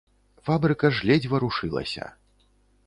Фабрыка ж ледзь варушылася.